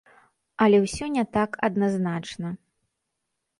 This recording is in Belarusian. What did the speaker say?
Але ўсё не так адназначна.